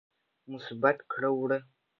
مثبت کړه وړه